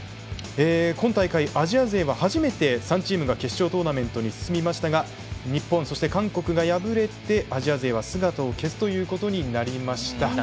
今大会アジアでは初めて３チームが決勝トーナメントに進みましたが日本そして韓国が破れてアジア勢が姿を消すということになりました。